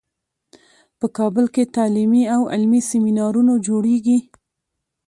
په کابل کې تعلیمي او علمي سیمینارونو جوړیږي